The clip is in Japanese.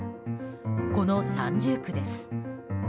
この三重苦です。